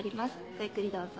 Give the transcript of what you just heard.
ごゆっくりどうぞ。